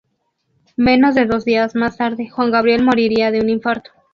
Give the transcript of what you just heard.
Menos de dos días más tarde, Juan Gabriel moriría de un infarto.